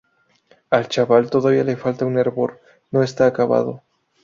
Al chaval todavía le falta un hervor, no está acabado